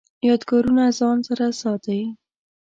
یادګارونه ځان سره ساتئ؟